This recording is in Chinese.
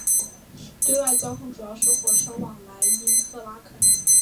对外交通主要是火车往来因特拉肯。